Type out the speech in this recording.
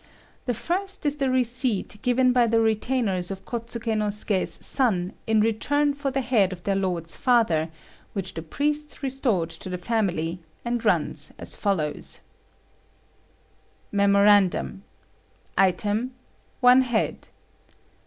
The first is the receipt given by the retainers of Kôtsuké no Suké's son in return for the head of their lord's father, which the priests restored to the family, and runs as follows: "MEMORANDUM: ITEM. ONE HEAD.